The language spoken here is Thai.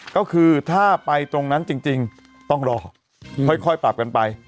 ก็คือถ้าไปตรงนั้นจริงต้องรอค่อยปรับกันไป